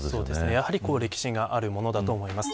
やはり歴史があるものだと思います。